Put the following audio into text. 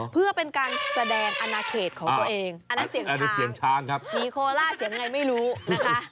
เพื่อเป็นการแสดงอนาเขตของตัวเองอันนั้นเสียงช้างเสียงช้างครับมีโคล่าเสียงไงไม่รู้นะคะ